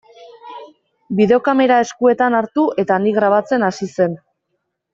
Bideokamera eskuetan hartu eta ni grabatzen hasi zen.